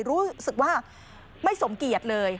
รู้สึกว่าไม่สมเกียจเลย